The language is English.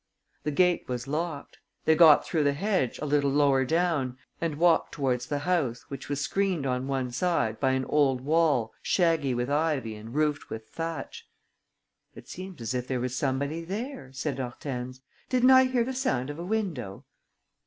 The gate was locked. They got through the hedge a little lower down and walked towards the house, which was screened on one side by an old wall shaggy with ivy and roofed with thatch. "It seems as if there was somebody there," said Hortense. "Didn't I hear the sound of a window?"